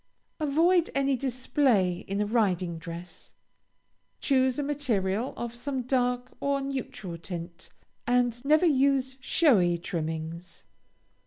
Avoid any display in a riding dress. Choose a material of some dark or neutral tint, and never use showy trimmings.